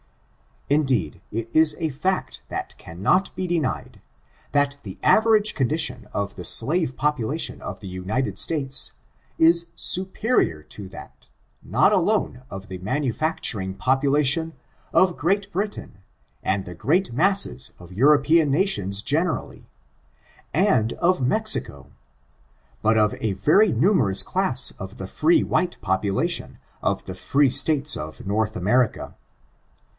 Indeed, it is a fact that cannot be denied, that the average condition of the slave population of the Uni ted States, is superior to that, not alone of the manu facturing population of Great Britain and the great masses of European nations generally, and of Mexico, but of a very numerous class of the free white popu ^^I^M% ^^^^^^^^^^ I ^^^^^^^^^^^^^^^ 416 ORIGIN, CHARACTER, AND lation of the free States of North America.